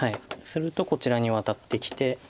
するとこちらにワタってきて。